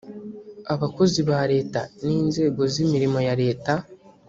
abakozi ba leta n inzego z imirimo ya leta